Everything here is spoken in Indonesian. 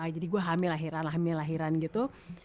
jadi gue hamil lahiran lahir lahiran gitu